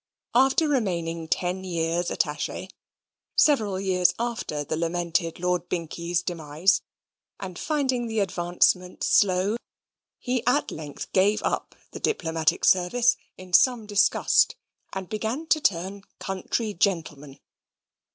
After remaining ten years Attache (several years after the lamented Lord Binkie's demise), and finding the advancement slow, he at length gave up the diplomatic service in some disgust, and began to turn country gentleman.